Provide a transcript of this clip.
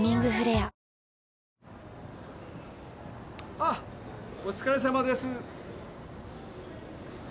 あっお疲れさまです。